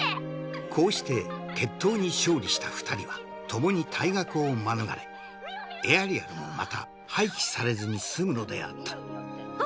こうして決闘に勝利した二人はともに退学を免れエアリアルもまた廃棄されずに済むのであったあ